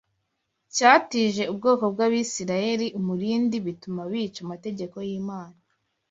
cyatije ubwoko bw’Abisirayeli umurindi bituma bica amategeko y’Imana